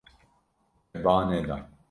Te ba neda.